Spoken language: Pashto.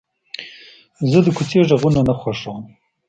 زه د کوڅې غږونه نه خوښوم.